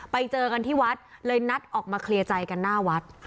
ไปเจอกันที่วัดเลยนัดออกมาเคลียร์ใจกันหน้าวัด